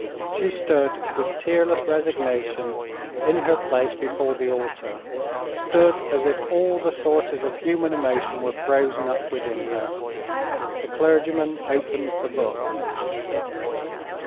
She stood, with tearless resignation, in her place before the altar—stood, as if all the sources of human emotion were frozen up within her. The clergyman opened the Book.